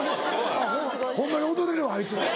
ホンマに踊れるわあいつら。